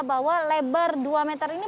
bahwa lebar dua meter ini